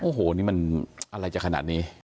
โอ้โหนี่มันอะไรจะขนาดนี้